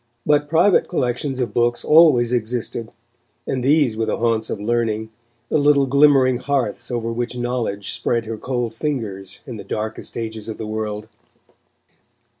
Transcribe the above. But private collections of books always existed, and these were the haunts of learning, the little glimmering hearths over which knowledge spread her cold fingers, in the darkest ages of the world.